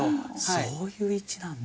そういう位置なんだ。